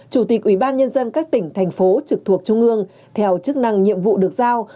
chủ tịch ủy ban nhân dân các tỉnh thành phố trực thuộc trung ương theo chức năng nhiệm vụ được giao